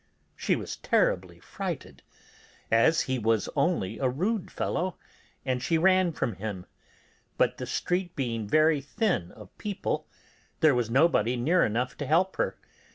She was terribly frighted, as he was only a rude fellow, and she ran from him, but the street being very thin of people, there was nobody near enough to help her.